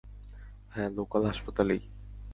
হ্যাঁ, লোকাল হাসপাতালেই।